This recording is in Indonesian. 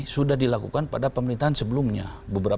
sudah dilakukan pada pemerintahan sebelumnya